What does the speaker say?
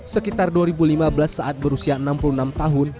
sekitar dua ribu lima belas saat berusia enam puluh enam tahun